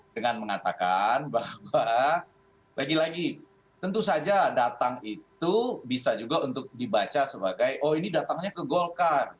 dengan mengatakan bahwa lagi lagi tentu saja datang itu bisa juga untuk dibaca sebagai oh ini datangnya ke golkar